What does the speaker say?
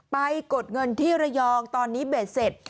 กดเงินที่ระยองตอนนี้เบสเสร็จ